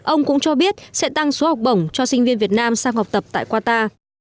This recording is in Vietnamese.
ông cũng cho biết sẽ tăng số học bổng cho sinh viên việt nam sang học tập tại qatar